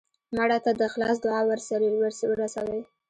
مړه ته د اخلاص دعا ورسوې